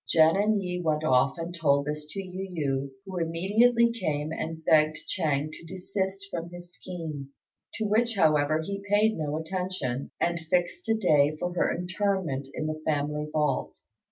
Jen and Yi went off and told this to Yu yü, who immediately came and begged Ch'êng to desist from his scheme; to which, however, he paid no attention, and fixed a day for her interment in the family vault.